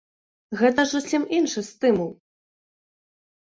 Гэта ж зусім іншы стымул.